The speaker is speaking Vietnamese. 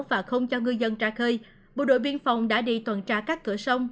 và không cho người dân ra khơi bộ đội biên phòng đã đi toàn tra các cửa sông